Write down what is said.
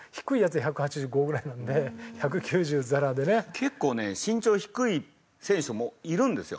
結構ね身長低い選手もいるんですよ。